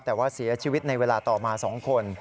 แต่ว่าเสียชีวิตในเวลาต่อมา๒คน